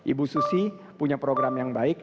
ibu susi punya program yang baik